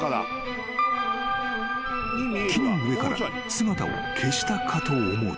［木の上から姿を消したかと思うと］